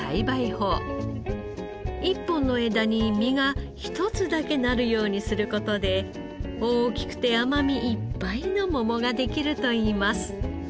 １本の枝に実が１つだけなるようにする事で大きくて甘みいっぱいの桃ができるといいます。